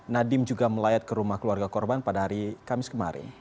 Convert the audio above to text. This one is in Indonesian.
nadiem juga melayat ke rumah keluarga korban pada hari kamis kemarin